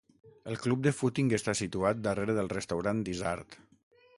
El club de fúting està situat darrere del restaurant "Dysart".